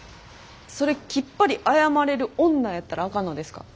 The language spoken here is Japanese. それきっぱり謝れる「女」やったらあかんのですか？